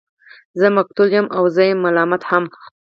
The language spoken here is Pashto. زه مقتول يمه او زه يم ملامت هم